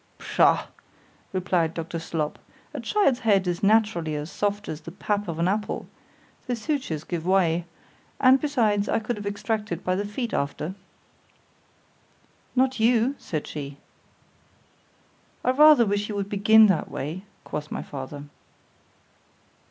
——Pshaw! replied Dr. Slop, a child's head is naturally as soft as the pap of an apple;—the sutures give way—and besides, I could have extracted by the feet after.—Not you, said she.——I rather wish you would begin that way, quoth my father.